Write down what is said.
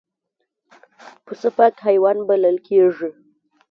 پسه پاک حیوان بلل کېږي.